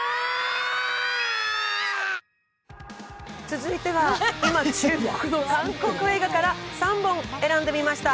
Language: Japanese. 続いては今注目の韓国映画から３本選んでみました。